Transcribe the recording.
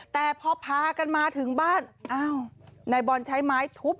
แต่พอพากันมาถึงบ้านอ้าวนายบอลใช้ไม้ทุบ